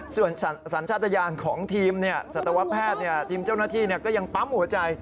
ส่วนสัญชาติยานของทีมสัตวแพทย์ทีมเจ้าหน้าที่ก็ยังปั๊มหัวใจ